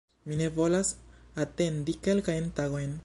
Mi ne volas atendi kelkajn tagojn"